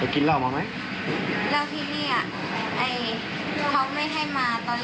แต่กินเหล้าเมาไหม